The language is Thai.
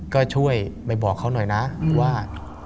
ก็ช่วยไปบอกเขาหน่อยนะว่า